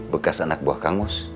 bekas anak buah kangmus